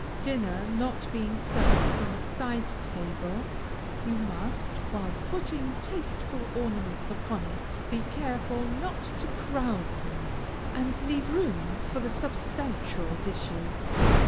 Dinner not being served from a side table, you must, while putting tasteful ornaments upon it, be careful not to crowd them, and leave room for the substantial dishes.